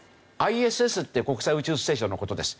ＩＳＳって国際宇宙ステーションの事です。